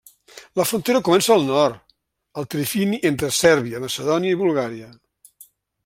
La frontera comença al nord, al trifini entre Sèrbia, Macedònia i Bulgària.